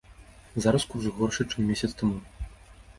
Зараз курс горшы, чым месяц таму.